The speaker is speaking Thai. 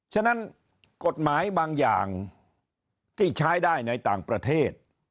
ฉะนั้นกฎหมายบางอย่างที่ใช้ได้ในต่างประเทศ